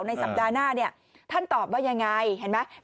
ในสัปดาห์หน้าเนี่ยท่านตอบว่ายังไงเห็นไหม